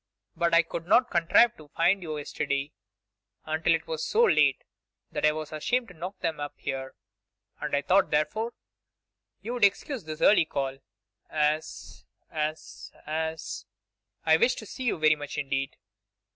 But I could not contrive to find you yesterday until it was so late that I was ashamed to knock them up here, and I thought, therefore, you would excuse this early call, as, as, as, I wished to see you very much indeed.